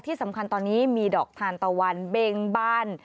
ที่สำคัญตอนนี้มีดอกทานตะวันเบงบ้าน